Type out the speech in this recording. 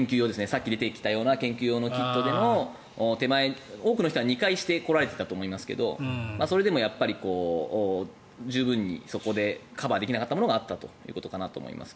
さっき出てきたような研究用のキットでの多くの人は２回して来られたと思いますがそれでも十分にそこでカバーできなかったものがあったということかなと思います。